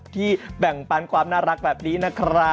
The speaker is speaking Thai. แบ่งปันความน่ารักแบบนี้นะครับ